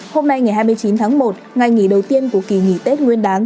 hôm nay ngày hai mươi chín tháng một ngày nghỉ đầu tiên của kỳ nghỉ tết nguyên đán